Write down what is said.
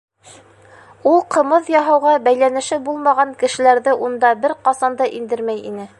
Ул ҡымыҙ яһауға бәйләнеше булмаған кешеләрҙе унда бер ҡасан да индермәй ине.